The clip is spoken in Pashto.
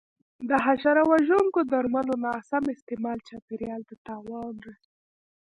د حشره وژونکو درملو ناسم استعمال چاپېریال ته تاوان رسوي.